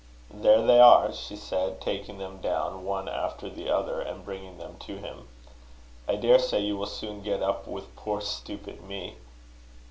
"There they are," she said, taking them down one after the other, and bringing them to him. "I daresay you will soon get up with poor stupid me."